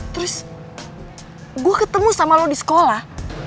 terus gue ketemu sama lo di sekolah